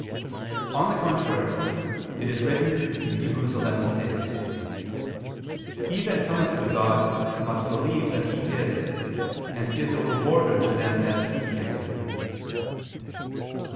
On the contrary, It is written (Heb. 11:6): "He that cometh to God, must believe that He is, and is a rewarder to them that seek Him."